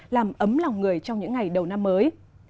làm ấm lòng người trong những ngày đầu năm mới